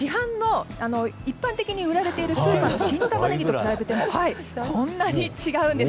一般的に売られているスーパーの新タマネギと比べてもこんなに違うんです。